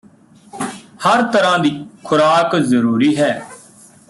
ਹਰ ਤਰ੍ਹਾਂ ਦੀ ਖੁਰਾਕ ਜ਼ਰੂਰੀ ਹੈ